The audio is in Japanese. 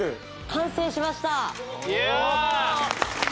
完成しました！